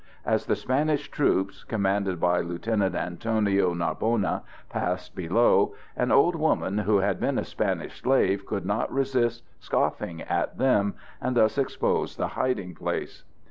As the Spanish troops, commanded by Lt. Antonio Narbona, passed below, an old woman who had been a Spanish slave could not resist scoffing at them and thus exposed the hiding place.